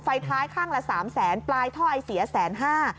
ไฟท้ายข้างละสามแสนปลายถ้อยเสียแสนห้า